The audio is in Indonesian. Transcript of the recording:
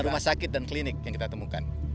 rumah sakit dan klinik yang kita temukan